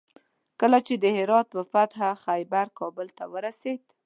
کله چې د هرات د فتح خبر کابل ته ورسېد.